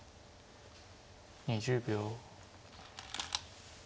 ２０秒。